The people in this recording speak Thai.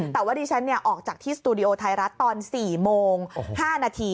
แต่ว่าดิฉันออกจากที่สตูดิโอไทยรัฐตอน๔โมง๕นาที